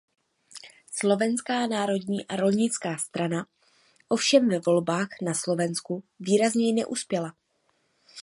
Slovenská národní a rolnická strana ovšem ve volbách na Slovensku výrazněji neuspěla.